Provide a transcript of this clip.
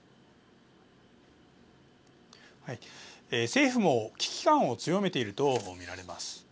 政府も危機感を強めていると見られます。